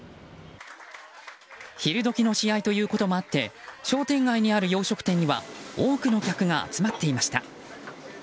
昼時の試合ということもあって商店街にある洋食店には多くの客が集まっていました。